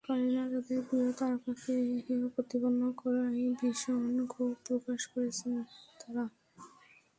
কারিনা তাঁদের প্রিয় তারকাকে হেয় প্রতিপন্ন করায় ভীষণ ক্ষোভ প্রকাশ করেছেন তাঁরা।